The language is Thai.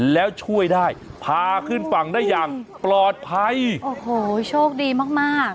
แล้วช่วยได้พาขึ้นฝั่งได้อย่างปลอดภัยโอ้โหโชคดีมากมาก